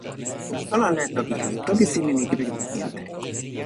mi sona ala e toki Inli. o toki sin e ni kepeken toki ante.